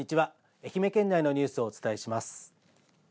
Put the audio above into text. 愛媛県内のニュースをお伝えします。